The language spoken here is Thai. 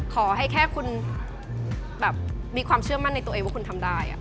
ขอให้แค่คุณแบบมีความเชื่อมั่นในตัวเองว่าคุณทำได้